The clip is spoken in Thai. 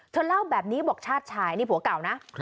เธอเล่าแบบนี้บอกชาติชายนี่ผัวเก่านะ